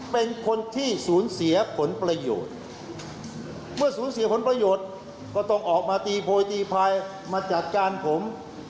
เป็นคนที่สูญเสียผลประโยชน์เมื่อสูญเสียผลประโยชน์ก็ต้องออกมาตีโพยตีพายมาจัดการผม